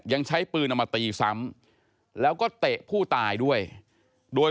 ยังใช้ปืนเอามาตีซ้ำแล้วก็เตะผู้ตายด้วยโดย